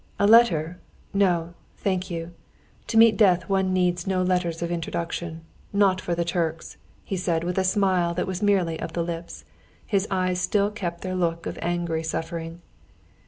A letter? No, thank you; to meet death one needs no letters of introduction. Nor for the Turks...." he said, with a smile that was merely of the lips. His eyes still kept their look of angry suffering.